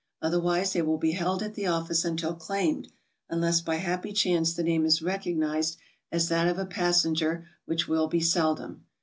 Otherwise they will be held at the office until claimed unless by happy chance the name is recognized as that of a passenger, which will be sel dom.